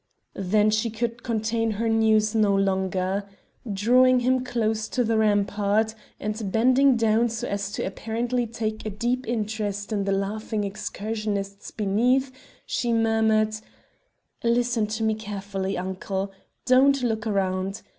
Then she could contain her news no longer. Drawing him close to the rampart, and bending down so as to apparently take a deep interest in the laughing excursionists beneath, she murmured "Listen to me carefully, uncle. Don't look around.